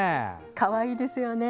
かわいいですよね。